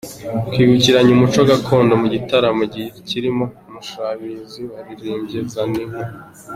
Kwibukiranya umuco gakondo mu gitaramo kirimo Mushabizi waririmbye Zaninka